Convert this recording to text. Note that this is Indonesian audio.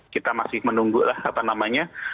kita masih menunggulah apa namanya